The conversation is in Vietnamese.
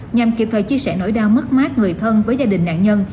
nhằm kịp thời chia sẻ nỗi đau mất mát người thân với gia đình nạn nhân